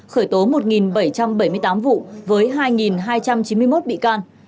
khởi tố một bảy trăm bảy mươi tám vụ với hai hai trăm chín mươi một bị can